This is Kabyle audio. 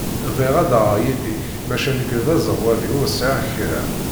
Bɣiɣ ad aɣeɣ yell-ik, maca nekk d aẓawali ur sɛiɣ kra.